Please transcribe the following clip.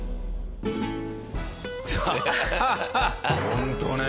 ホントね。